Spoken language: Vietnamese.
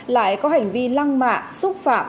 lại có hành vi lăng mạ xúc phạm